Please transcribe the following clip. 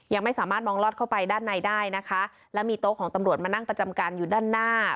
ยังไม่สามารถมองลอดเข้าไปด้านในได้นะคะและมีโต๊ะของตำรวจมานั่งประจำการอยู่ด้านหน้า